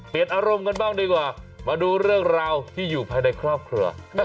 อารมณ์กันบ้างดีกว่ามาดูเรื่องราวที่อยู่ภายในครอบครัว